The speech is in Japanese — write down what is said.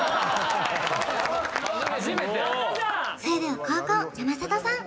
それでは後攻山里さん